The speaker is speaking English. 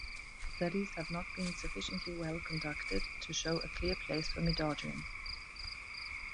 Studies have not been sufficiently well conducted to show a clear place for midodrine.